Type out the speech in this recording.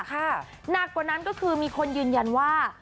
หนักกว่านั้นก็คือมีคนยืนยันว่า